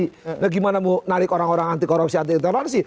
nah gimana mau narik orang orang anti korupsi anti intoleransi